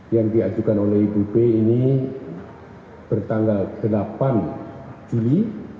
yang diajukan oleh ibu p ini bertanggal delapan juli dua ribu dua puluh dua